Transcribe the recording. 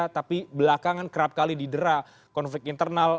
tapi belakangan kerap kali didera konflik internal